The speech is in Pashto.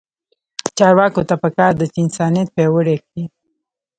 چارواکو ته پکار ده چې، انسانیت پیاوړی کړي.